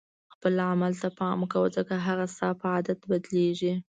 خپل عمل ته پام کوه ځکه هغه ستا په عادت بدلیږي.